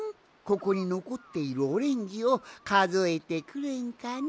ここにのこっているオレンジをかぞえてくれんかの？